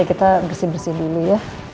kita bersih bersih dulu ya